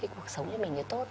cuộc sống cho mình như tốt